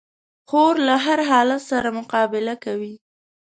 خور له هر حالت سره مقابله کوي.